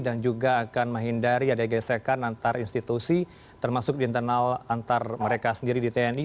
dan juga akan menghindari ada gesekan antar institusi termasuk internal antar mereka sendiri di tni